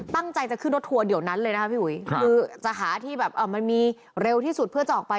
ตั้งใจจะขึ้นรถทัวร์เดี๋ยวนั้นเลยนะคะพี่อุ๋ยคือจะหาที่แบบมันมีเร็วที่สุดเพื่อจะออกไป